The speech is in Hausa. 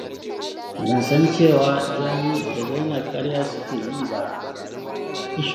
Ban san cewar Jami da Zainab ƙarya suke yi ba.